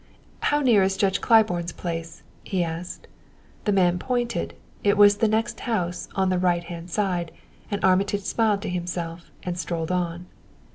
"How near is Judge Claiborne's place?" he asked. The man pointed. It was the next house, on the right hand side; and Armitage smiled to himself and strolled on.